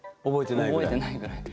覚えてないぐらい？